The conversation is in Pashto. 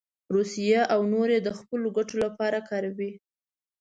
روسیه او نور یې د خپلو ګټو لپاره کاروي.